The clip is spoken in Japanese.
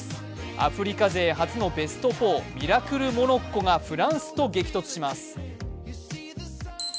アフリカ勢初のベスト４ミラクルモロッコがフランスと激突します。